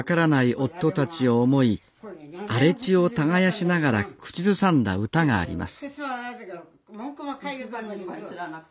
夫たちを思い荒れ地を耕しながら口ずさんだ歌があります